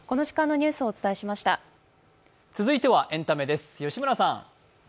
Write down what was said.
続いてはエンタメです、吉村さん。